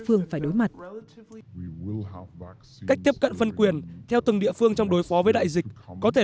phương phải đối mặt cách tiếp cận phân quyền theo từng địa phương trong đối phó với đại dịch có thể